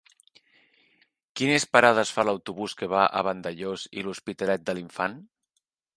Quines parades fa l'autobús que va a Vandellòs i l'Hospitalet de l'Infant?